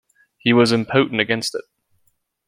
He was impotent against it.